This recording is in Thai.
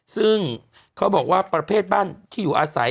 ซึ่งเขาบอกว่าประเภทบ้านที่อยู่อาศัย